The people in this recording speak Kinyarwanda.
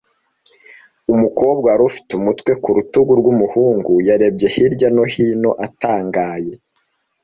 Umukobwa wari ufite umutwe ku rutugu rw’umuhungu, yarebye hirya no hino atangaye.